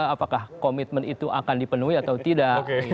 apakah komitmen itu akan dipenuhi atau tidak